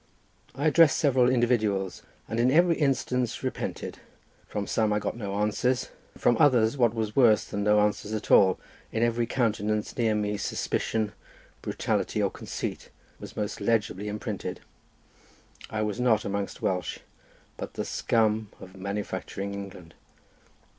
I addressed several individuals, and in every instance repented; from some I got no answers, from others what was worse than no answers at all—in every countenance near me suspicion, brutality, or conceit, was most legibly imprinted—I was not amongst Welsh, but the scum of manufacturing England.